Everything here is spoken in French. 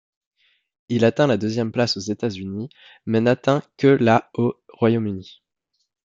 Il atteint la deuxième place aux États-Unis, mais n'atteint que la au Royaume-Uni.